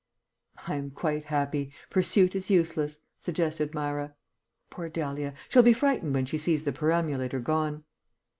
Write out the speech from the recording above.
_'" "'I am quite happy. Pursuit is useless,'" suggested Myra. "Poor Dahlia, she'll be frightened when she sees the perambulator gone."